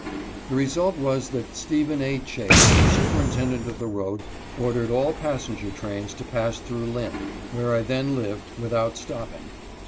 The result was that Stephen A. Chase, superintendent of the road, ordered all passenger trains to pass through Lynn, where I then lived, without stopping.